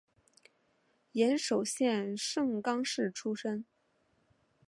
岩手县盛冈市出身。